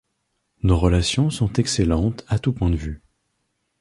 Nos relations sont excellentes à tous points de vue.